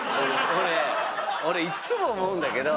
俺いっつも思うんだけど。